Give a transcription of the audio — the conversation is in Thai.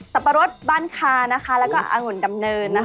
ปะรดบ้านคานะคะแล้วก็องุ่นดำเนินนะคะ